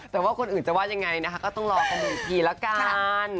แต่ว่าคนอื่นจะว่ายังไงนะคะก็ต้องรอกันดูอีกทีละกัน